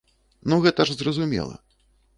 Ну гэта ж зразумела.